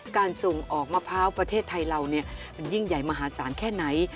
การส่งออกมะพร้าวประเทศไทยเรามันยิ่งใหญ่มหาศาลแค่ไหน